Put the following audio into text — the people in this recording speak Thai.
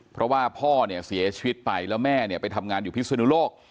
เพราะว่าพ่อเนี่ยเสียชีวิตไปแล้วแม่เนี่ยไปทำงานอยู่พิศนุโลก